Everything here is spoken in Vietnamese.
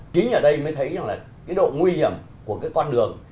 kính ở đây mới thấy cái độ nguy hiểm của cái con đường